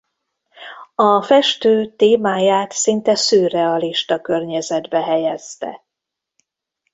A festő témáját szinte szürrealista környezetbe helyezte.